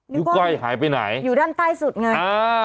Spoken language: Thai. นิ้วก้อยหายไปไหนอยู่ด้านใต้สุดไงอ่า